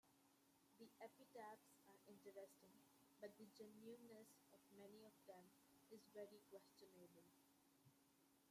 The epitaphs are interesting, but the genuineness of many of them is very questionable.